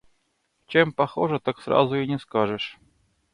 Чем похожа, так сразу и не скажешь.